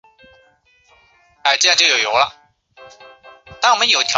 天目山由粗面岩和流纹岩等构成。